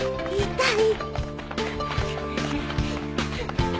痛い